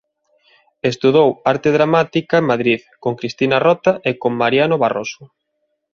Estudou Arte Dramática en Madrid con Cristina Rota e con Mariano Barroso.